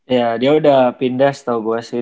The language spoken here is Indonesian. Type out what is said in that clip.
ya dia udah pindes tau gue sih dari smp ya kan